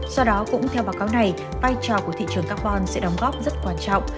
do đó cũng theo báo cáo này vai trò của thị trường carbon sẽ đóng góp rất quan trọng